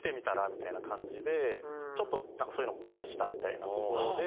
みたいな感じでちょっとなんかそういうのに出だしたみたいなところで。